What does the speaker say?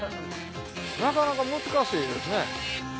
なかなか難しいですね。